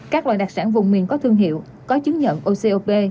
các loại đặc sản vùng miền có thương hiệu có chứng nhận ocop